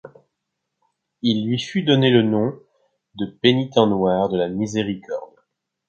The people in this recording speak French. Il lui fut donné le nom de Pénitents Noirs de la Miséricorde.